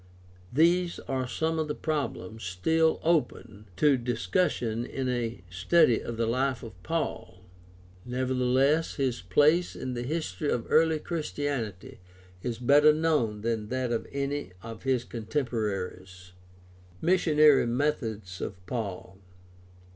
These are some of the problems still open to discussion in a study of the life of Paul; nevertheless his place in the history of early Christianity is better known than that of any of his contemporaries. Missionary methods of Paul.